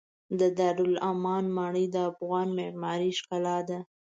د دارالامان ماڼۍ د افغان معمارۍ ښکلا ده.